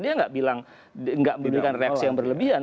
dia nggak bilang nggak memberikan reaksi yang berlebihan